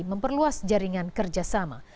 memperluas jaringan kerjasama